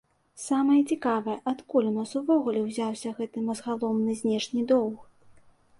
Самае цікавае, адкуль у нас увогуле ўзяўся гэты мазгаломны знешні доўг.